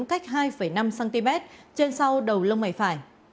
sách hai năm cm trên sau đầu lông mẩy phải